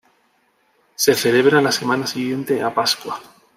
Se celebra la semana siguiente a Pascua.